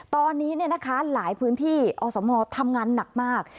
ตอนนี้เนี่ยนะคะหลายพื้นที่อสมทำงานหนักมาก